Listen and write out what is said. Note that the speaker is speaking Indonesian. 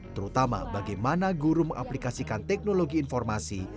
terutama bagaimana guru mengaplikasikan teknologi informasi